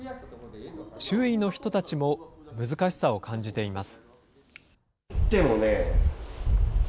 周囲の人たちも難しさを感じています。